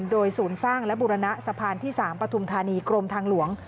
โดยศูนย์สร้างและบุรณะสะพานที่๓ปฐุมธานีกรมทางหลวง